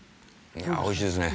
いやおいしいですね。